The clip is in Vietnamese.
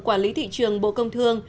quản lý thị trường bộ công thương